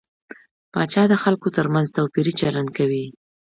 پاچا د خلکو تر منځ توپيري چلند کوي .